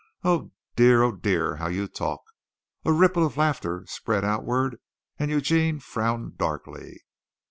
Oh, dear! Oh, dear, how you talk!" A ripple of laughter spread outward, and Eugene frowned darkly.